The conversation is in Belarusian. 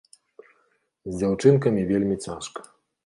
З дзяўчынкамі вельмі цяжка.